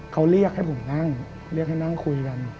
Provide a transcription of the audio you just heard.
เขาเรียกให้ผมนั่งคุยกัน